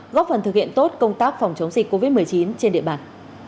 góp phần thực hiện tốt công tác phòng chống dịch covid một mươi chín trên địa bàn